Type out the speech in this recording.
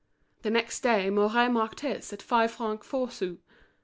The next day Mouret marked his at five francs four sous.